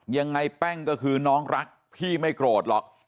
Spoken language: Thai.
ยังไงแป้งก็คือน้องรักพี่ไม่โกรธหรอก